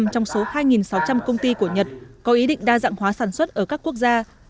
bảy mươi trong số hai sáu trăm linh công ty của nhật có ý định đa dạng hóa sản xuất ở các quốc gia